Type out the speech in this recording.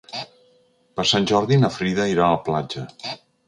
Per Sant Jordi na Frida irà a la platja.